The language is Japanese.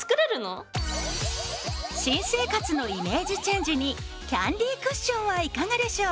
新生活のイメージチェンジにキャンディークッションはいかがでしょう？